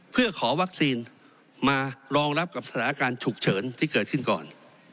เพื่อขอวัคซีนมารองรับกับสถานการณ์ฉุกเฉินที่เกิดขึ้นก่อน